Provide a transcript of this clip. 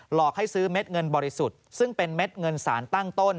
หลอกให้ซื้อเม็ดเงินบริสุทธิ์ซึ่งเป็นเม็ดเงินสารตั้งต้น